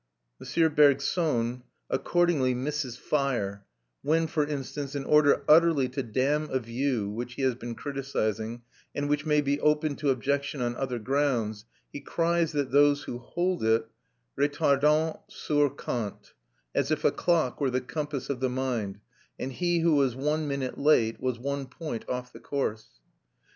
M. Bergson accordingly misses fire when, for instance, in order utterly to damn a view which he has been criticising, and which may be open to objection on other grounds, he cries that those who hold it "retardent sur Kant;" as if a clock were the compass of the mind, and he who was one minute late was one point off the course.